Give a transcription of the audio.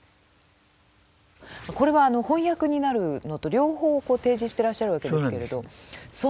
これは翻訳になるのと両方を提示してらっしゃるわけですけれど。